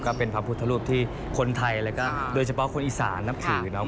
ก็เป็นพระพุทธรูปที่คนไทยแล้วก็โดยเฉพาะคนอีสานนับถือเนาะ